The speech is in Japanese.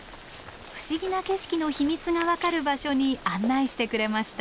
不思議な景色の秘密が分かる場所に案内してくれました。